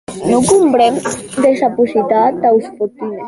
Non conven desaprofitar taus fortunes.